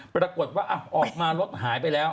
ปรากฏว่าออกมารถหายไปแล้ว